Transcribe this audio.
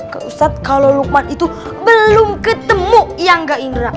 ke ustazah kalo luqman itu belum ketemu yang ga indra